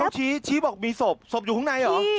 เชี้ยบอกมีสบสบอยู่ไหนหรอ